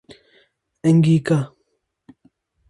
Angika